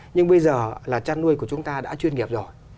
nhưng bây giờ là chăn nuôi của chúng ta đã chuyên nghiệp rồi